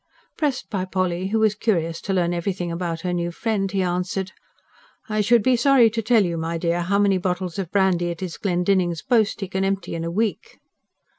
Pressed by Polly, who was curious to learn everything about her new friend, he answered: "I should be sorry to tell you, my dear, how many bottles of brandy it is Glendinning's boast he can empty in a week."